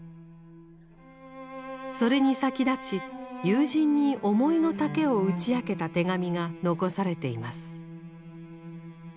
それに先立ち友人に思いの丈を打ち明けた手紙が残されています。